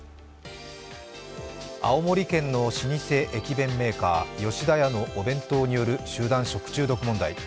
青森県の老舗駅弁メーカー吉田屋のお弁当による集団食中毒問題。